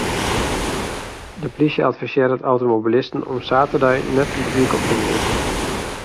De plysje advisearret automobilisten om saterdei net de dyk op te gean.